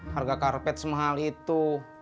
harga karpet semahal itu